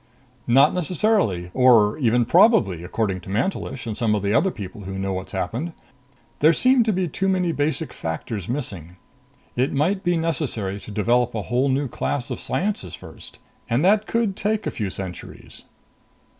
"Not necessarily, or even probably, according to Mantelish and some other people who know what's happened. There seem to be too many basic factors missing. It might be necessary to develop a whole new class of sciences first. And that could take a few centuries."